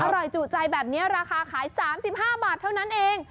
จุใจแบบนี้ราคาขาย๓๕บาทเท่านั้นเอง